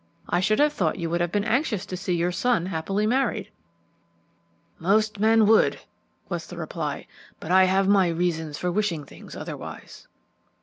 "I should have thought you would have been anxious to see your son happily married." "Most men would," was the reply; "but I have my reasons for wishing things otherwise."